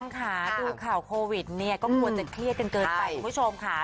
ค่ะดูข่าวโควิดเนี่ยก็ควรจะเครียดกันเกินไปคุณผู้ชมค่ะ